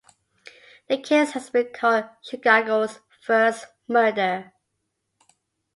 The case has been called Chicago's first murder.